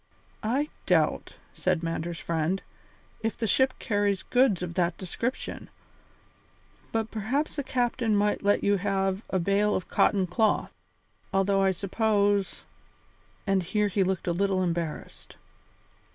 "I doubt," said Mander's friend, "if the ship carries goods of that description, but perhaps the captain might let you have a bale of cotton cloth, although I suppose " and here he looked a little embarrassed.